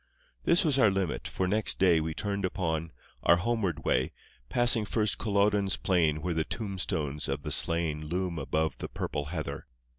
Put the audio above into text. This was our limit, for next day We turned upon, our homeward way, Passing first Culloden's plain Where the tombstones of the slain Loom above the purple heather.